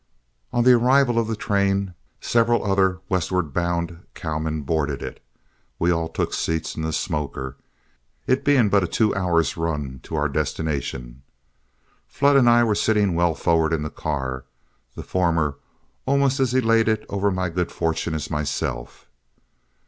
On the arrival of the train, several other westward bound cowmen boarded it. We all took seats in the smoker, it being but a two hours' run to our destination. Flood and I were sitting well forward in the car, the former almost as elated over my good fortune as myself.